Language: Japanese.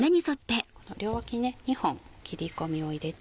両脇２本切り込みを入れて。